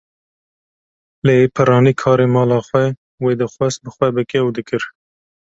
Lê piranî karê mala xwe wê dixwast bi xwe bike û dikir.